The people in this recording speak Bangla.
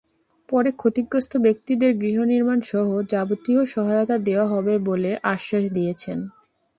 পরে ক্ষতিগ্রস্ত ব্যক্তিদের গৃহনির্মাণসহ যাবতীয় সহায়তা দেওয়া হবে বলে আশ্বাস দিয়েছেন।